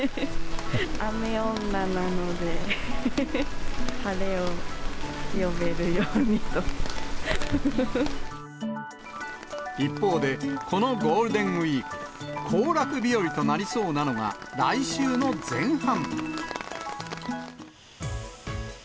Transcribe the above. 雨女なので、晴れを呼べるように一方で、このゴールデンウィーク、行楽日和となりそうなのが来週の前半。